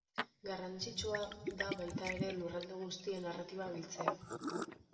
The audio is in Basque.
Garrantzitsua da baita ere lurralde guztien narratiba biltzea.